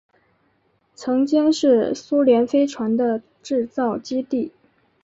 曾经是苏联飞船的制造基地。